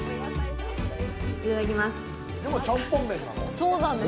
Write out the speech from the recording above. いただきます。